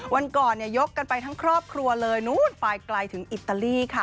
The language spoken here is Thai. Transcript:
วันก่อนยกกันไปทั้งครอบครัวเลยนู้นไปไกลถึงอิตาลีค่ะ